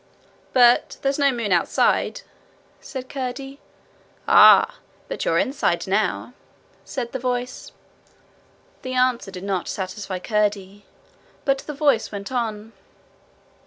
'But there's no moon outside,' said Curdie. 'Ah! but you're inside now,' said the voice. The answer did not satisfy Curdie; but the voice went on.